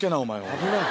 危ない。